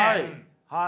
はい。